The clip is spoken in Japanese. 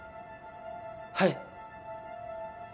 はい！